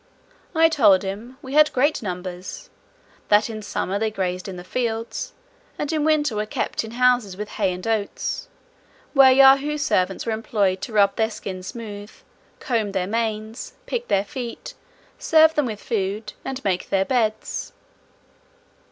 I told him, "we had great numbers; that in summer they grazed in the fields, and in winter were kept in houses with hay and oats, where Yahoo servants were employed to rub their skins smooth, comb their manes, pick their feet, serve them with food, and make their beds."